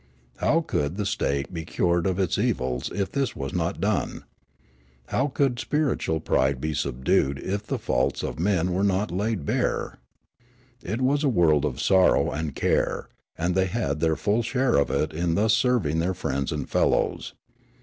How could the state be cured of its evils if this was not done ? How could spiritual pride be subdued if the faults of men were not laid bare ? It was a world of sorrow and care, and they had their full share of it in thus serving their friends and fellows.